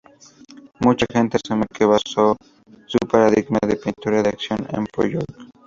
Mucha gente asume que basó su paradigma de "pintura de acción" en Pollock.